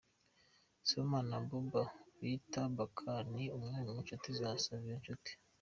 Sibomana Abouba bita Bakary ni umwe mu nshuti za Savio Nshuti.